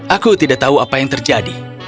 aku tidak tahu apa yang terjadi